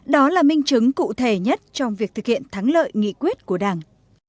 đó là minh chứng cụ thể nhất trong việc thực hiện thắng lợi nghị quyết của đảng